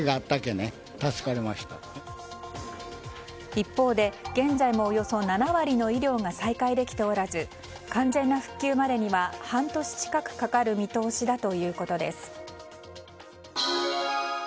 一方で、現在もおよそ７割の医療が再開できておらず完全な復旧までには半年近くかかる見通しだということです。